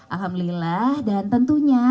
alhamdulillah dan tentunya